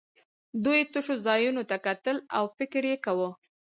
دوی تشو ځایونو ته کتل او فکر یې کاوه